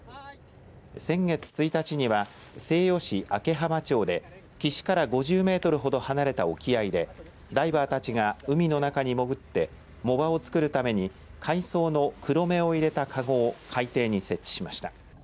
先月１日には西予市明浜町で岸から５０メートルほど離れた沖合でダイバーたちが海の中に潜って藻場をつくるために海藻のクロメを入れたかごを海底に設置しました。